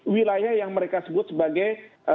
wilayah yang mereka sebut sebagai